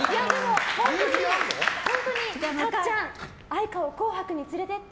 たっちゃん愛花を「紅白」に連れてって！